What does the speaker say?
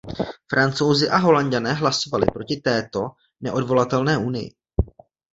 Francouzi a Holanďané hlasovali proti této neodvolatelné unii.